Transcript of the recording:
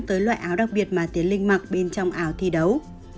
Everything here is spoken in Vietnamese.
tới loại áo đặc biệt mà tiến linh mặc bên trong áo thi đấu